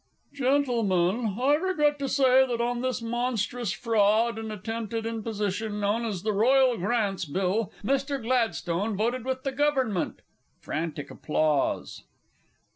Gentlemen, I regret to say that, on this monstrous fraud and attempted imposition known as "The Royal Grants Bill," Mr. Gladstone voted with the Government. [_Frantic applause.